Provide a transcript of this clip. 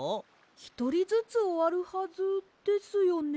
ひとりずつおわるはずですよね。